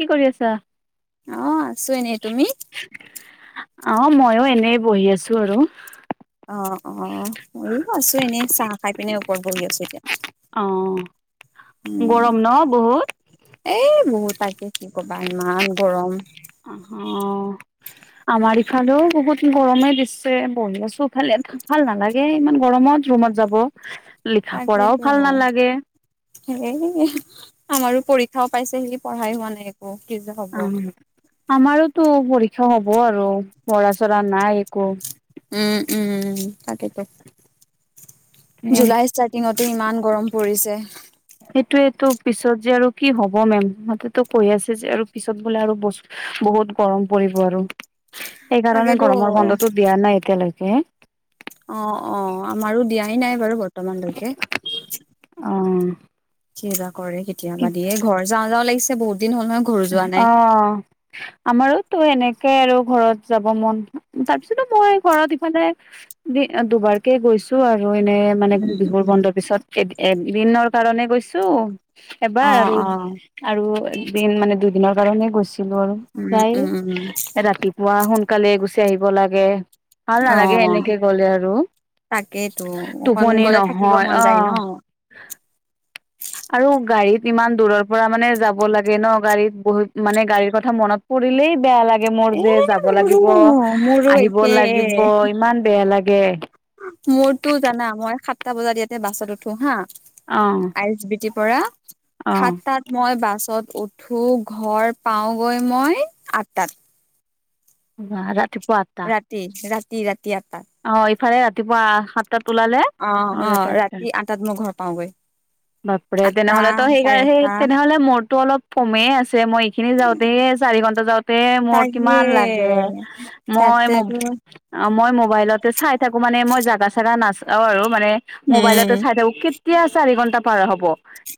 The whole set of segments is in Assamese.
কি কৰি আছা অ আছো এনেই তুমি অ মইও এনে বহি আছো আৰু অ অ ময়ো আছো এনেই চাহ খাই পিনে ওপৰত বহি আছো এতিয়া অ উম, গৰম ন বহুত এই বহুত তাকে কি কবা ইমান গৰম অ অ আমাৰ ইফালেও বহুত গৰমে দিছে বহি আছো এফালে ভাল নালাগে ইমান গৰমত ৰুমত যাব লিখা পঢ়াও তাকেতো ভাল নালাগে সেই আমাৰো পৰীক্ষাও পাইছেহি পঢ়াই হোৱা নাই একো কি যে হব অ আমাৰোতো পৰীক্ষা হ'ব আৰু পঢ়া চৰা নাই একো উম উম উম তাকেতো এ জুলাই ষ্টাৰ্টিঙতে ইমান গৰম পৰিছে সেইটোৱেটো পিছত যে আৰু কি হব মেম সতেটো কৈ আছে যে আৰু পিছত বোলে আৰু বচ বহুত বহুত গৰম পৰিব আৰু সেইকাৰণে তাকেতো গৰমৰ বন্ধতো দিয়া নাই এতিয়ালৈকে হ অ', অ', আমাৰো দিয়াই নাই বাৰু বৰ্তমানলৈকে। অঁ কিবা কৰে কেতিয়াবা দিয়ে ঘৰ যাওঁ যাওঁ লাগিছে বহুত দিন হ'ল নহয় ঘৰ যোৱা নাই। অ', আমাৰোতো এনেকে আৰু ঘৰত যাব মন তাৰ পিছতো মই ঘৰত ইফালে দি দুবাৰকে গৈছো আৰু বি এনে মানে উম, বিহুৰ উম, বন্ধৰ পিছত এ এদিনৰ কাৰনে গৈছো এবাৰ অ', আৰু অ', আৰু এদিন মানে দুদিনৰ কাৰণে গৈছো আৰু উম, যাই উম, উম। ৰাতিপুৱা সোনকালে গুচি আহিব লাগে ভাল নালাগে অ', এনেকে গ'লে আৰু তাকেইতো অকন টোপনি গ'লে থাকিব নহয় মন যায় ন? আহ আৰু গাড়ীত ইমান দূৰৰ পৰা মানে যাব লাগে ন গাড়ীত বহুত মানে গাড়ীৰ কথা মনত পৰিলেই বেয়া লাগে মোৰ এ যে যাব মোৰো লাগিব মোৰো আহিব একে লাগিব ইমান বেয়া লাগে মোৰতো জানা মই সাতটা বজাত ইয়াতে বাছত উঠো হা অ আইচ বি টি পৰা অ খাত তাত মই বাছত উঠো ঘৰ পাওঁগৈ মই আটাত অ', ৰাতিপুৱা আঠটা ৰাতি, ৰাতি, ৰাতি আটাত। অ ইফালে ৰাতিপুৱা সাতটাত ওলালে অ', আৰু ৰাতি অ', আঠটা। আঠটাত মই ঘৰ পাওঁগৈ বাপৰে আঠটা তেনেহলে তো সেইকাৰ চাৰে সেই আঠটা তেনেহলে মোৰতো অলপ কমেই আছে, মই এইখিনি যাওঁতে চাৰি ঘন্টা যাওঁতে মোৰ তাকে কিমান লাগে মই, তাতেতো মই বাইলতে চাই থাকো মানে মই জাগা চাগা নাচাও আৰু [unintelligible] উম মোবাইলতে চাই থাকোঁ, কেতিয়া চাৰি ঘণ্টা পাৰ হব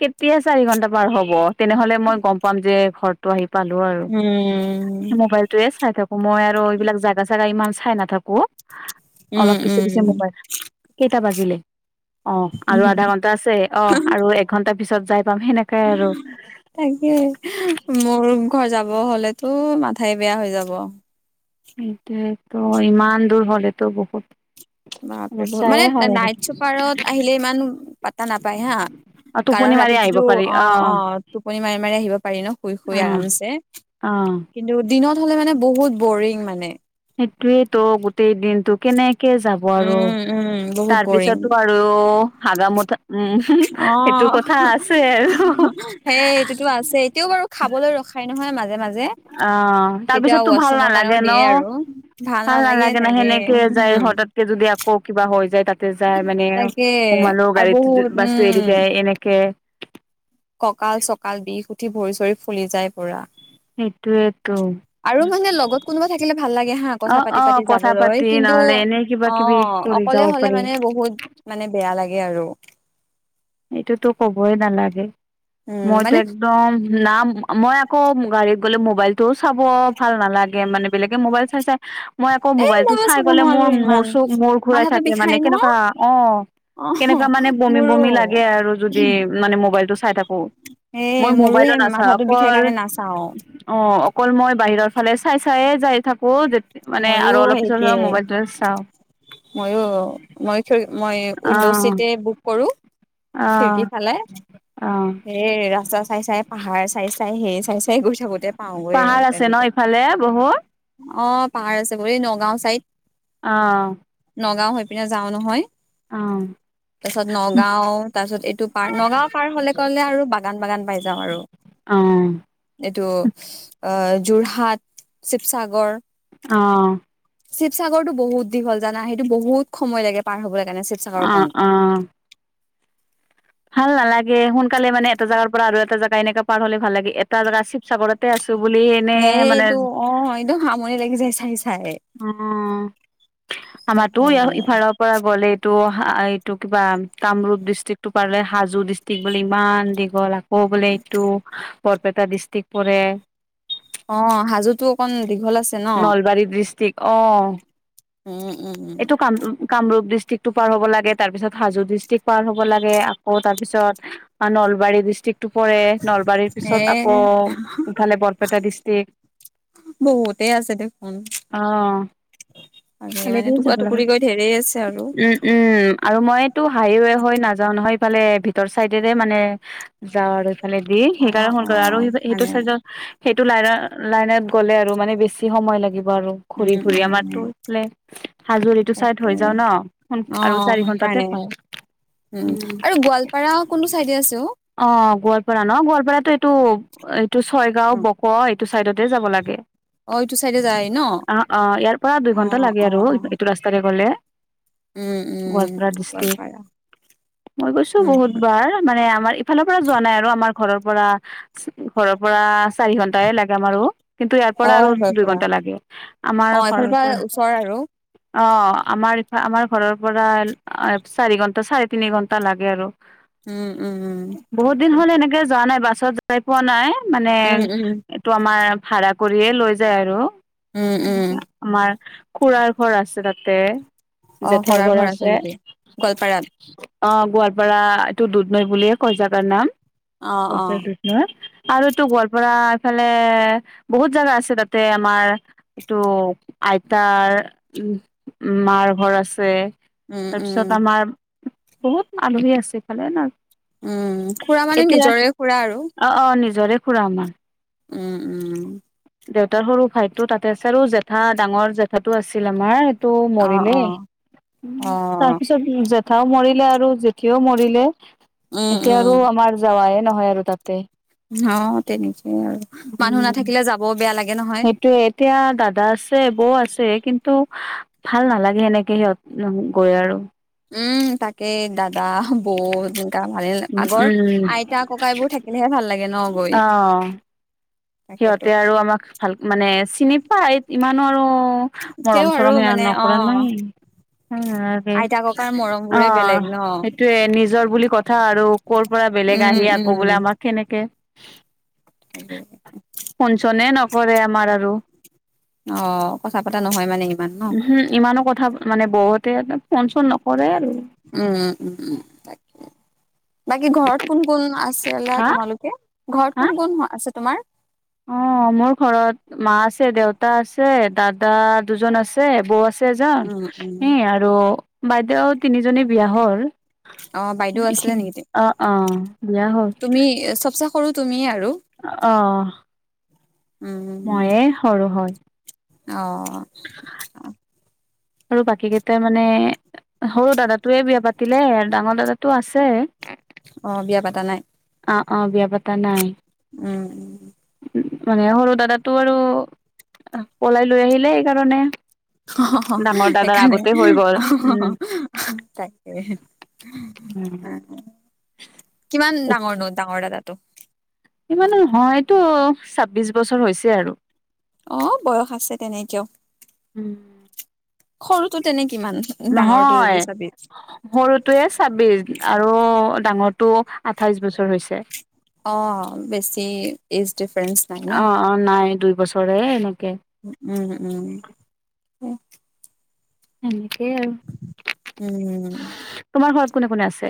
কেতিয়া চাৰি ঘন্টা পাৰ হ'ব, তেনেহলে মই গম পাম যে ঘৰৰতটো আহি পালো আৰু উম মোবাইলটোৱে চাই থাকো মই আৰু এইবিলাক জাগা-চাগা ইমান চাই নাথাকো অলপ পিছে, পিছে উম মোবাইল কেইটা বাজিলে অ', আৰু উম আধা ঘণ্টা আছে, অ', আৰু এঘণ্টা পিছত যাই পাম সেনেকাই আৰু তাকে, মোৰ ঘৰ যাব হলেতো মাথাই বেয়া হৈ যাব সেইটোয়েতো ইমান দূৰ হ'লেতো বহুত বাপৰে বহুত সমস্যায়ে মানে হয় আৰু নাইট চুপাৰত আহিলে ইমান পাতা নাপায় হা অ টোপনি কাৰণ মাৰি আহিব ৰাতিটোতো পাৰি অ', অ', টোপনি মাৰি, মাৰি আহিব পাৰি ন শুই, অ শুই আৰামছে অ কিন্তু দিনত হ'লে মানে বহুত বৰিং মানে [unintelligible] তো গোটেই দিনতটো কেনেকে তাকে যাব আৰু উম উম বহুত বৰিং তাৰপিছতো আৰু হাগা- মোটা উম, অ সেইটো কথা আছে আৰু সেই এইটোতো আছে এতিয়াও বাৰু খাবলৈ ৰখাই নহয় মাজে মাজে অ', তেতিয়া তাৰপিছততো ভাল ৱাছৰুমৰ কাৰণেও নালাগে ন, দিয়ে আৰু ভাল নালাগে ন, সেনেকে যায়, হতাতকে যদি আকৌ কিবা হৈ যায় তাতে যাই মানে, তাকে সোমালো আৰু গাড়ীতো বহুত বাছতো এৰি যায় এনেকে ককাল-চকাল বিষ উঠি ভৰি চৰি ফুলি যায় পুৰা সেইটোৱেই টো। আৰু মানে লগত কোনোবা থাকিলে ভাল লাগে হা অ কথা অ পাতি-পাতি কথা যাবলৈ, পাতি কিন্তু নহলে এনে কিবা কিবি অ', কৰি যাব অকলে হ'লে পাৰি মানে বহুত মানে বেয়া লাগে আৰু এইটোতো কবই নালাগে, উম মইতো মানে একদম নাম মই আকৌ গাড়ীত গ'লে মোবাইল চাব ভাল নালাগে মানে বেলেগে মোবাইল চাই চাই, মই আকৌ এই মই মোবাইলতটো চাই চাব গলে নোৱাৰো মোৰ মোৰ ইমান মূৰ ঘুৰাই মাথাটো থাকে মানে, বিষাই ন কেনেকোৱা অ', অ কেনেকুৱা মানে বমি, মোৰো বমি লাগে আৰু যদি মানে মোবাইল টো চাই থাকো এই মই মোৰো সেই মোবাইলত নাছাও মাথাটো বিষাই অকল কাৰণে নাচাও অ', অকল মই বাহিৰৰ ফালে চাই চায়ে যাই থাকোঁ, যে মানে আৰু অলপ পিছত হই মোবাইলটোয়েই চাওঁ ময়ো মই, মই উইণ্ডো অ' চিতে বুক কৰোঁ অ' খিৰিকি ফালে অ' সেই ৰাস্তা চাই-চাই পাহাৰ চাই-চাই সেই চাই- চাই গৈ থাকোতে পাওগৈ আৰু তেনেকে। [unintelligible] বহু অ, পাহাৰ আছে নগাও চাইদ, অ' নগাও হৈ পিনে যাও নহয় অ' তাৰপিছত নগাও, তাৰপিছত এইটো পাৰ নগাও পাৰ হলে কলে আৰু বাগান - বাগান পাই যাও আৰু। অ' এইটো অ, যোৰহাট, শিৱসাগৰ অ', শিৱসাগৰতো বহুত দীঘল জানা সেইটো বহুত সময় লাগে পাৰ হ'বলৈ। তেনে শিৱসাগৰ অ' কন। অ' ভাল নালাগে সোনকালে মানে এটা জোগাৰ পৰা আৰু এটা জেগা এনেকে পাৰ হ'লে ভাল লাগে, এটা জেগা শিৱসাগৰত সেইটো অ, একদম আমনি লাগি যায় চাই - চাই। অ, আমাৰটো তাকে ইফালৰ পৰা গ'লে। এইটো কিবা কামৰূপ ডিষ্ট্ৰিক্ট পালে, হাজো ডিষ্ট্ৰিক্ট বুলি ইমান দীঘল ক, বোলে এইটো বৰপেটা ডিষ্ট্ৰিক পৰে। অ, সাজো তো অকণ দে নলবাৰী ডিষ্ট্ৰিক্ট অ, উম উম উম এইটো কাম কামৰূপ দৃষ্টিক ডিষ্ট্ৰিক্টো পাৰ হ'ব লাগ তাৰপিছত হাজো ডিষ্ট্ৰিক পাৰ হ'ব ল তাৰপিছত নলবাৰি ডিষ্ট্ৰিক। টোপৰে নলবাৰীৰ এ পিছত আকৌ ইফালে বৰপেটা ডিষ্ট্ৰিক। ততে আছে দেখোন। উম মানে টুকুৰা টুকুৰি গৈ ধেৰে আছে আৰু - উম আৰু মইো হাইে হৈ নাযাও নহয়। [unintelligible] ফালে ভিতৰ চাইডেৰে মানে যাৰ ভেদি অ সেইকাৰণে ফোন অ কৰ আৰু সেই সেইটো মানে চাই সেইটো লাইন - লাইন গ'লে আৰু মানে বেছি সময় লাগিব আৰু উম ঘূৰি ঘূৰি উম আমাৰ উম তো লাইন হাজুলিটো চাই থ তাকে হৈ যাও ন অ আৰু চাৰি ঘন্টাতে সেইকাৰণে পাও। উম, আৰু গোৱালপাৰা কোনটো চাইডে আছো। অ, গোৱালপাৰা ন গোৱালপাৰাটো এইটো - এইটো ছয়গাও বক চডতে যাব লাগে অ এইটো চাইডে যায় ন অ - অ ইয়াৰ পৰা দুই অ ঘন্টা লাগে অ অ আৰু। এইটো ৰাস্তাৰে গলে। উম - উম গোৱালপাৰা ডিষ্ট্ৰিক গোৱালপাৰা। মই গৈছো উম বহুতবাৰ মানে আমাৰ ইফালৰ পৰা যোৱা নাই আৰু আমাৰ ঘৰৰ পৰা। ঘৰৰ পৰা চাৰি ঘণ্টাই লাগে আমাৰ কিন্তু ইয়াৰ অ পৰা আৰু দুই গোৱালপাৰা ঘণ্টা লাগে অ আমাৰ এইফালৰ ঘৰৰ পৰা। ওচৰ আৰু অ, আমাৰ ইফ আমাৰ ঘৰৰ পৰা চাৰি ঘণ্টা চাৰে তিনি ঘণ্টা লাগে আৰু। উম - উম - উম তাকে। পছত যাই পোৱা নাই মানে উম উম এইটো আমাৰ ভাড়া কৰিয়ে লৈ যায় আৰু। উম উম আমাৰ খুৰাৰ ঘৰ আছে তাতে অ জেঠাৰ খুৰাৰ ঘৰ আছে। নেকি গোৱালপাৰাত অ, গোৱালপাৰা এইটো দুধ নৈ বুলিয়ে কয় জাগাৰ নাম। অ অ গপত নহয় আৰু তো গোৱলপাৰা এইফালে বহুত জোগা আছে তাতে আমাৰ এইটো আইতাৰ উম, মাৰ ঘৰ আছে। উম - উম - তাৰপিছত উম। আমাৰ বহুত আলহী আছে ইফালে ন উম, খুৰা মানে এতিয়া নিজৰে খুৰা আৰু। অ অ নিজৰে খুৰা আমাৰ। উম - উম। দেউতাৰ সৰু ভাইতো তাতে আ চাৰো জেঠা ডাঙৰ জেঠাটো আছিল আমাৰ টো অ মৰিলে অ উম, অ তাৰপিছত জেথাও মৰিলে আৰু জেথিও মৰিলে উম এতিয়া উম আৰু আমাৰ যাৱাইে নহয় আৰু তাতে। অ তেনেকেই আৰু মানুহ উম নাথাকিলে যাবও বেয়া লাগে নহয় সেইটোয়ে এতিয়া দাদা আছে বৌ আছে কিন্তু ভাল নালাগে সেনেকে সিহঁত গৈ আৰু উম তাকে দাদা বৌ তেনেকা ভালে উম আগৰ উম আইতা ককাইবোৰ থাকিলেহে ভাল লাগে ন গৈ অ তাকেতো সিহঁতে আৰু আমাক ভাল মানে চিনি পাই ইমানো আৰু তেওঁ মৰম আৰু চৰম সি মানে অ কাপৰাা নাই আইতা ককাৰ মৰম অ বোৰে বেলেগ ন সেইটোয়ে নিজৰ বুলি কথা আৰু ক'ৰ পৰা বে বেলেগ উম আহি আকৌ বোলে আমাক কেনেকে উ ক চনে নকৰে আমাৰ আৰু অ কথা পতা নহয় মানে ইমান ন হম ইমানো কথা মানে বৰতে ন চন নকৰে আৰু উম উম উম তাক বাকী ঘৰত কোন কোন আছিলা হা তোমালোকে ঘৰত হা কোন কোন আছে তোমাৰ অ অ মোৰ ঘৰত মা আছে দেউতা আছে দাদা দুজন আছে বৌ আছে এজন উম উম এ আৰু বাইদেউ তিনিজনী বিয়া হ'ল অ বাইদেউ আছিলে এইখিনি নেকি অ অ বিয়া হল তুমি চবচে সৰু তুমিয়ে আৰু অ উম মইে সৰু হয় অ আৰু বাকী কেইটা মানে সৰু দাদটোয়ে বিয়া পাতিলে ডাঙৰ দাদাটো আছে অ বিয়া পাতা নাই অ অ বিয়া পাতা নাই উম মানে সৰু দাদাটো আৰু পলাই লৈ আহিলে এইকাৰণে অ হ গ'ল অ হ তাকে উম কিমান ডাঙৰ ন ডাঙৰ দাদো টো তটো ছাব্বিশ বছৰ হৈছে আৰু অ বয়স আছে তেনেকেও উম সৰুতো তেনেকে নহয় সৰুটোৱে ছাব্বিশ আৰু ডাঙৰটো আঠাইশ বছৰ হৈছে অ বেছি ই অ অ নাই দুই বছৰে এনে উ উম উম উম হ উম তোমাৰ ঘৰত কোনে কোনে আছে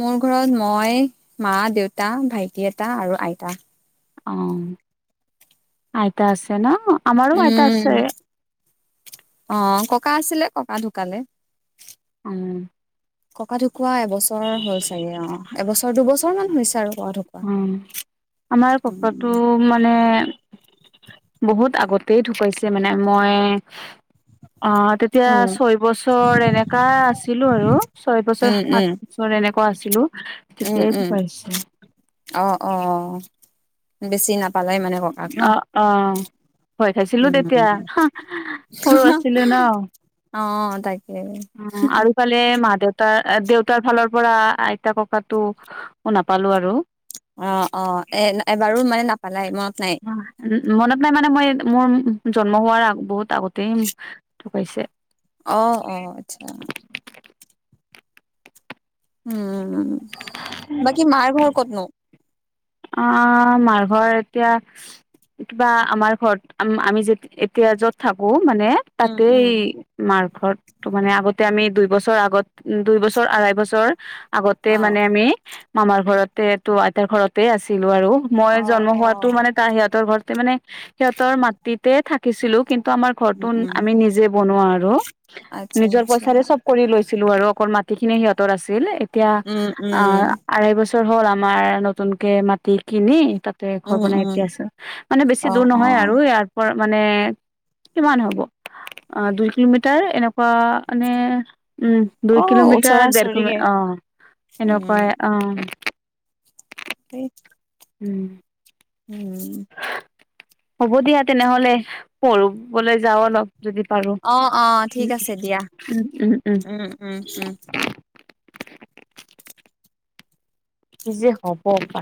মোৰ ঘৰত মই মা দেউতা ভাইটি এটা আৰু আইতা অ আইতা আছে ন আমাৰো আইতা উম আছে অ ককা আছিলে ককা ঢুকালে উম ককা ঢুকুৱা এবছৰ হল চাগে অ এবছৰ দুবছৰ মান হৈছে আৰু ককা ঢুকুৱা উ ম আমাৰ ককাটো উম মানে বহুত আগতেই ঢুকাইছে মানে মই অ তেতিয়া উম ছয় বছৰ এনেকা আছিলো আৰু ছয় বছৰ উম সাত উম বছৰ এনেকা কোৱা আছিলো উম, তেতিয়াই উম, পাইিছে [inaudible] অ অ অ বেছি নাপালে মানে ককাক ন? অ অ ভয় খাইছিলো উম, তেতিয়া সৰু আছিলো ন অ', তাকে আৰু ফালে মা দেউতাৰ দেউতাৰ ফালৰ পৰা আইতা ককাতো নাপালো আৰু অ অ এ এবাৰো মানে নাপালাই মই মনত নাই মানে মই মোৰ জন্ম হোৱাৰ আগ বহুত আগতেই উম ঢুকাইছে আহ অ আচ্ছা উম বাকী মাৰ ঘৰ কতনো আহ মাৰঘৰ এতিয়া ইছ কিবা আমাৰ ঘৰত আ আমি যে এতিয়া য'ত থাকো মানে উম, তাতে উম, মাৰ ঘৰতটো মানে আগত তে আমি দুই বছৰ আগত দুই বছৰ আঢ়াই বছৰ আগতে অ', মানে আমি মামাৰ ঘৰতে টো আইতাৰ ঘৰতে আছিলো আৰু মই অ', জন্ম হোৱাাতটো অ', মানে তাৰ সিহঁতৰ ঘৰত মানে সিহঁতৰ মাটিতে থাকিছিলো কিন্তু আমাৰ ঘৰটোো উম, উম, আমি নিজে বনোৱা আৰু আচ্ছা, নিজৰ আচ্ছা, পইচাৰে চব কৰি লৈছ ছিলো আৰু অকল মাটি খিনি সিহঁতৰ আছিল এতিয়া উম, অ উম, আঢ় বছৰ হ'ল আমাৰ নতুনকে মাি কিনি তাতে ঘৰ উম, বনাই উম, এতিয়া আছো মানে বেছি দূৰ অ', নহয় আৰু অ', ইয়াৰ পৰা মানে কিমান হ'ব অ দুই কিলোমিটাৰ এনেকুৱা মানে উম দুই অ', ওচৰা কিলোমিটাৰ দেৰ ওচৰিয়ে কিলোমিাৰ অ এনেকুৱাই অ স উম হ'ব দিয়া তেনেহলে প়বলৈ যাও অলপ যদি পাৰো অ', অ', উ ঠিক আছে দিয়া উম উম উম উম, উম। কি যে হব পা